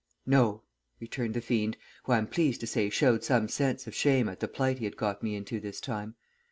"'No,' returned the fiend, who I am pleased to say showed some sense of shame at the plight he had got me into this time.